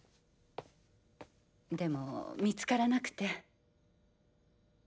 でも見つからなくて。